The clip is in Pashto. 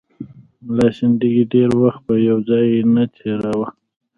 ملا سنډکي ډېر وخت په یو ځای نه تېراوه.